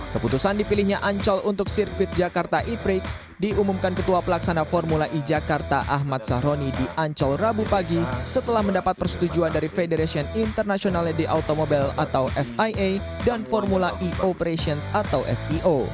keputusan dipilihnya ancol untuk sirkuit jakarta e prix diumumkan ketua pelaksana formula e jakarta ahmad sahroni di ancol rabu pagi setelah mendapat persetujuan dari federation international day automobal atau fia dan formula e operations atau fio